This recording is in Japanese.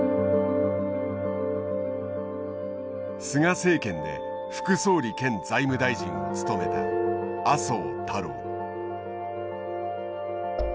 菅政権で副総理兼財務大臣を務めた麻生太郎。